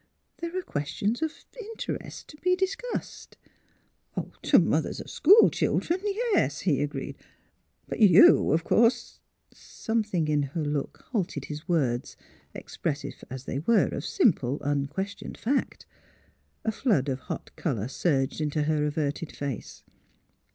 There are questions of — of interest to be discussed." '' To mothers of school children — yes, '' he agreed. '' But you, of course " Something in her look halted his words, expres sive as they were of simple, unquestioned fact. A flood of hot colour surged into her averted face.